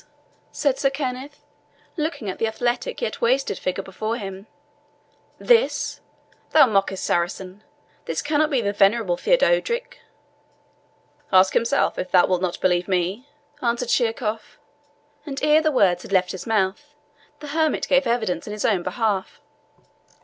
said Sir Kenneth, looking at the athletic yet wasted figure before him "this! Thou mockest, Saracen this cannot be the venerable Theodorick!" "Ask himself, if thou wilt not believe me," answered Sheerkohf; and ere the words had left his mouth, the hermit gave evidence in his own behalf.